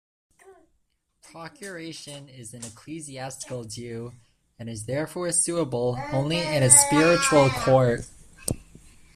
Procuration is an ecclesiastical due, and is therefore suable only in a spiritual court.